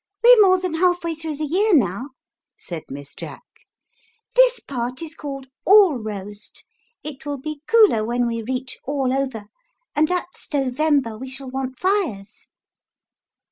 "We're more than half through the year now," said Miss Jack; "this part is called Allroast; it will be cooler when we reach Allover, and at Stoveniber we shall want fires."